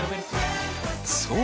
そう！